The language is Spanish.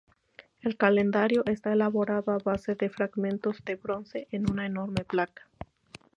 El calendario está elaborado a base de fragmentos de bronce en una enorme placa.